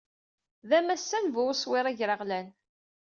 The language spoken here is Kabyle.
D amassan bu uswir agraɣlan.